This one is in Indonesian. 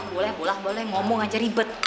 boleh boleh ngomong aja ribet